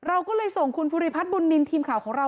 เราก็เลยส่งคุณภูริพัฒน์บุญนินทีมข่าวของเรา